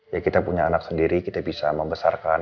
ya kita punya anak sendiri kita bisa membesarkan